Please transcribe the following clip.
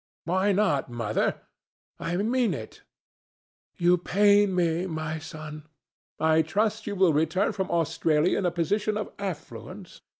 "Why not, Mother? I mean it." "You pain me, my son. I trust you will return from Australia in a position of affluence.